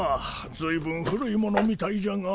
ずいぶん古いものみたいじゃが。